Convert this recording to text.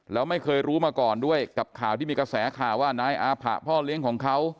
แล้วไม่เคยรู้มาก่อนด้วยกับข่าวที่มีกระแสข่าวว่านายอาผะพ่อเลี้ยงของเขา